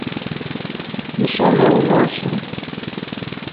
Mshele ulosu.